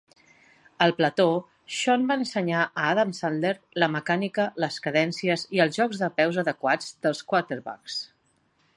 Al plató, Sean va ensenyar a Adam Sandler la mecànica, les cadències i els jocs de peus adequats dels quarterback.